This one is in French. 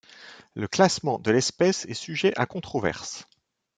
Le classement de l'espèce est sujet à controverses.